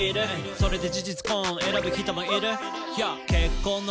「それで事実婚選ぶ人もいる」